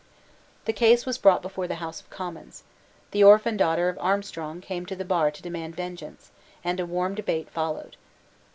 The case was brought before the House of Commons. The orphan daughter of Armstrong came to the bar to demand vengeance; and a warm debate followed.